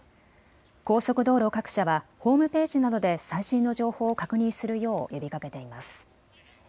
高速道路各社はホームページなどで最新の情報を確認するよう呼びかけています。